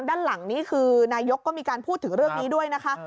ด้านหลังนี้คือนายกก็มีการพูดถึงเรื่องนี้ด้วยนะคะ